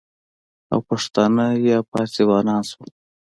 او پښتانه یا فارسیوانان شول،